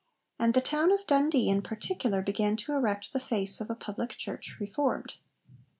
And the town of Dundee in particular 'began to erect the face of a public church reformed.'